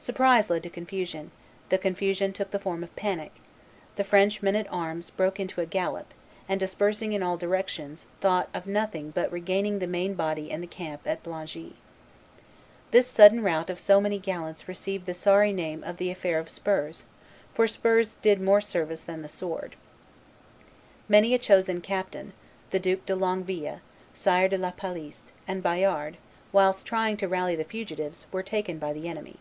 Surprise led to confusion; the confusion took the form of panic; the French men at arms broke into a gallop, and, dispersing in all directions, thought of nothing but regaining the main body and the camp at Blangy. This sudden rout of so many gallants received the sorry name of the affair of spurs, for spurs did more service than the sword. Many a chosen captain, the Duke de Longueville, Sire de la Palisse, and Bayard, whilst trying to rally the fugitives, were taken by the enemy.